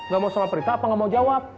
gak mau sama prita apa gak mau jawab